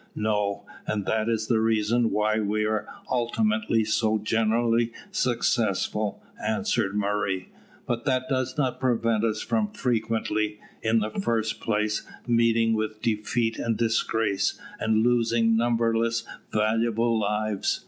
"No, and that is the reason why we are ultimately so generally successful," answered Murray. "But that does not prevent us from frequently, in the first place, meeting with defeat and disgrace, and losing numberless valuable lives.